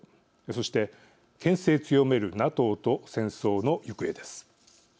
そして、けん制強めるＮＡＴＯと戦争の行方です。